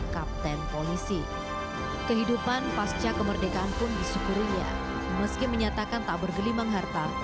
kemudian juga rasa bangga